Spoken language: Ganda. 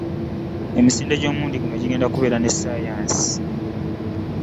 Emisinde gy'omulundi guno gigenda kubeera gya ssaayansi